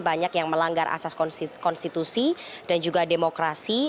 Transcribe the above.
banyak yang melanggar asas konstitusi dan juga demokrasi